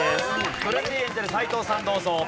トレンディエンジェル斎藤さんどうぞ。